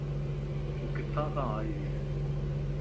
تون ڪٿي کان آيو وئين ؟